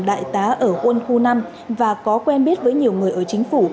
đại tá ở quân khu năm và có quen biết với nhiều người ở chính phủ